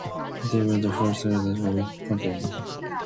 They were the first locomotives built by that company.